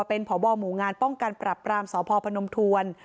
เป็นพบหมู่งานป้องกันปรับปรามสพพนมทวน